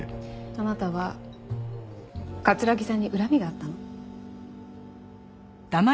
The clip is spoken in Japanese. あなたは城さんに恨みがあったの？